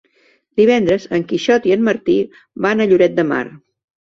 Divendres en Quixot i en Martí van a Lloret de Mar.